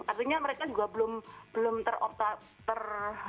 artinya mereka juga belum teroptimalkan pekerjaannya